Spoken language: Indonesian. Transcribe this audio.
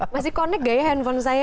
masih connect gak ya handphone saya